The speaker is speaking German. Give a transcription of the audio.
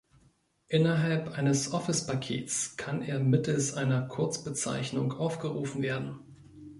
Innerhalb eines Office-Pakets kann er mittels einer Kurzbezeichnung aufgerufen werden.